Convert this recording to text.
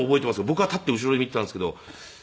僕は立って後ろで見ていたんですけど。